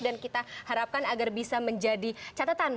dan kita harapkan agar bisa menjadi catatan